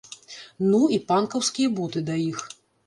Ну, і панкаўскія боты да іх.